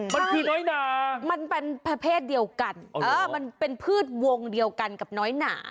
มันคือน้อยหนามันเป็นประเภทเดียวกันมันเป็นพืชวงเดียวกันกับน้อยหนา